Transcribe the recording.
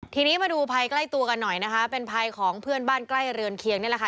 ทีนี้มาดูภัยใกล้ตัวกันหน่อยนะคะเป็นภัยของเพื่อนบ้านใกล้เรือนเคียงนี่แหละค่ะ